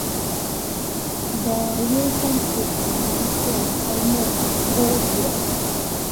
Their relationship lasted almost four years.